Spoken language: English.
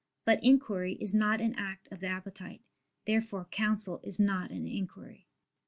But inquiry is not an act of the appetite. Therefore counsel is not an inquiry.